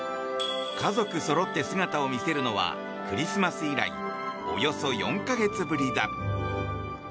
家族そろって姿を見せるのはクリスマス以来およそ４か月ぶりだ。